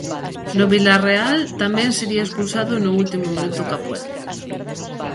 No Vilarreal tamén sería expulsado no último minuto Capué.